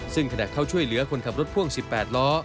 ซึ่งขณะเข้าช่วยเหลือคนขับรถพ่วง๑๘ล้อ